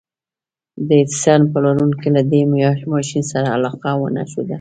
د ايډېسن پلورونکو له دې ماشين سره علاقه ونه ښوده.